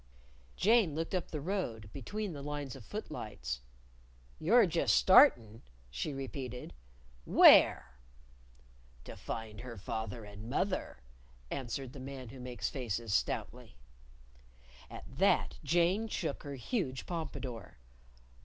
Jane looked up the road, between the lines of footlights. "You're just startin'," she repeated. "Where?" "To find her father and mother," answered the Man Who Makes Faces, stoutly. At that Jane shook her huge pompadour.